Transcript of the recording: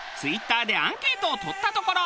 Ｔｗｉｔｔｅｒでアンケートをとったところ。